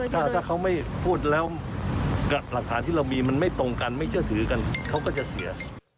ถ้าเขาไม่พูดแล้วหลักฐานที่เรามีมันไม่ตรงกันไม่เชื่อถือกันเขาก็จะเสีย